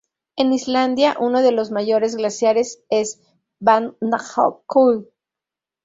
En Islandia uno de los mayores glaciares es el Vatnajökull.